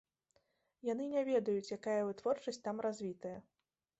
Яны не ведаюць, якая вытворчасць там развітая.